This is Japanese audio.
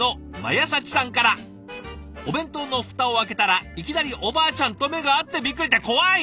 「お弁当のフタを開けたらいきなりおばあちゃんと目が合ってビックリ！」って怖い！